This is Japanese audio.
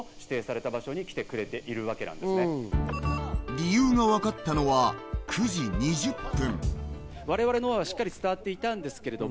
理由がわかったのは９時２０分。